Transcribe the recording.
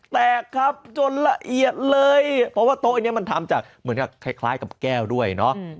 แตกครับจนละเอียดเลยเพราะว่าโต๊ะอันนี้มันทำจากเหมือนกับคล้ายกับแก้วด้วยเนาะ